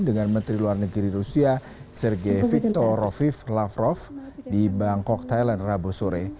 dengan menteri luar negeri rusia sergei victor lavrov di bangkok thailand rabu sore